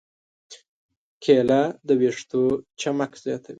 کېله د ویښتو چمک زیاتوي.